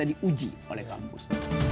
di uji oleh kampus